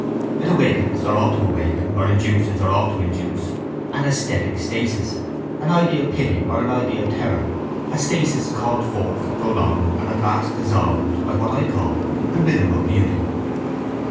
It awakens, or ought to awaken, or induces, or ought to induce, an esthetic stasis, an ideal pity or an ideal terror, a stasis called forth, prolonged, and at last dissolved by what I call the rhythm of beauty.